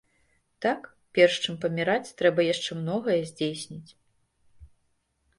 Так, перш чым паміраць, трэба яшчэ многае здзейсніць.